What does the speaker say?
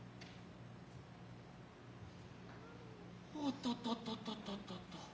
おととととととと。